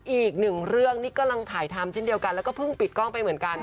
อีกหนึ่งเรื่องนี่กำลังถ่ายทำเช่นเดียวกันแล้วก็เพิ่งปิดกล้องไปเหมือนกัน